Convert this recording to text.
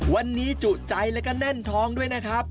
วันนี้จุใจแล้วก็แน่นท้องด้วยนะครับ